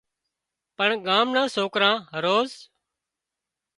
پڻ ڳام نان سوڪران هروز